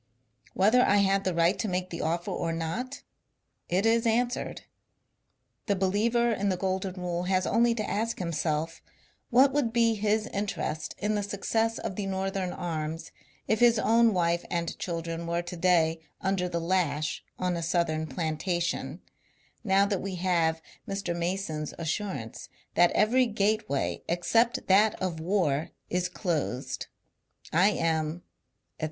Whether I had the right to make the offer or not, it is answered. The believer in the golden rule has only to ask himself what would be his interest in the success of the Northern arms if his own wife and children were to day under the lash on a Southern plan tation, now that we have Mr. Mason's assurance that every gateway except that of war is closed. I am, etc.